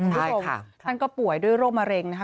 ถ้าคุณพูดถึงได้ค่ะท่านก็ป่วยด้วยโรคมะเร็งนะฮะ